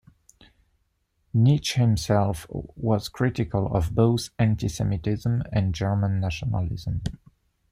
Nietzsche himself was critical of both antisemitism and German nationalism.